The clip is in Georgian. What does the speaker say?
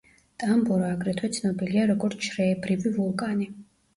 ტამბორა აგრეთვე ცნობილია როგორც შრეებრივი ვულკანი.